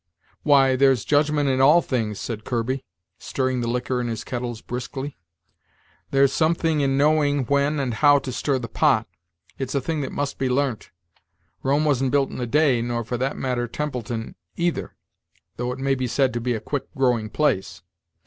"Why, there's judgment in all things," said Kirby, stirring the liquor in his kettles briskly. "There's some thing in knowing when and how to stir the pot. It's a thing that must be larnt. Rome wasn't built in a day, nor for that matter Templeton either, though it may be said to be a quick growing place.